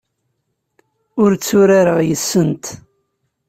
Ur tturareɣ yes-sent.